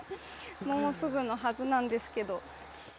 もうすぐのはずなんですけど。